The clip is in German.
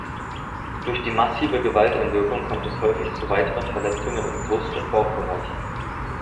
Durch die massive Gewalteinwirkung kommt es häufig zu weiteren Verletzungen im Brust- und Bauchbereich.